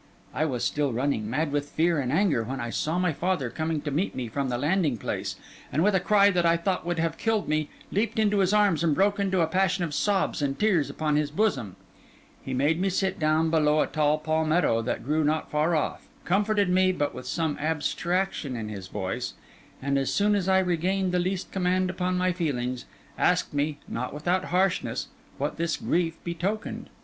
I was still running, mad with fear and anger, when I saw my father coming to meet me from the landing place; and with a cry that I thought would have killed me, leaped into his arms and broke into a passion of sobs and tears upon his bosom. He made me sit down below a tall palmetto that grew not far off; comforted me, but with some abstraction in his voice; and as soon as I regained the least command upon my feelings, asked me, not without harshness, what this grief betokened.